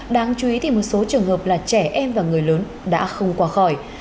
đáng chú ý thì một số trường hợp là trẻ em và người lớn đã không qua khỏi